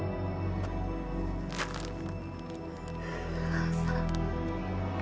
母さん。